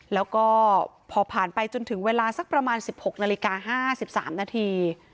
แล้วก็พอผ่านไปจนถึงเวลาสักประมาณ๑๖นาฬิกา๕๓นาที